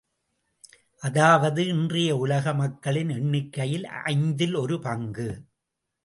அதாவது, இன்றைய உலக மக்களின் எண்ணிக்கையில் ஐந்தில் ஒரு பங்கு.